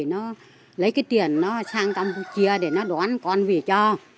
nó lấy cái tiền nó sang campuchia để nó đón con về cho